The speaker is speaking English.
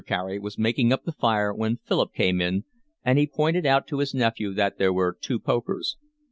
Carey was making up the fire when Philip came in, and he pointed out to his nephew that there were two pokers.